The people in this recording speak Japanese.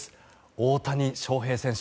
大谷翔平選手